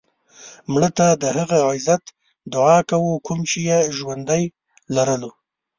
مړه ته د هغه عزت دعا کوو کوم یې چې ژوندی لرلو